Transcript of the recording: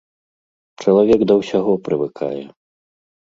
Чалавек да ўсяго прывыкае.